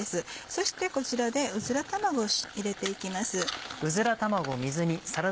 そしてこちらでうずら卵入れて行きます。